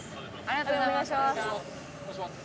ありがとうございます。